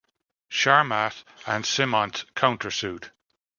Sharmat and Simont counter-sued.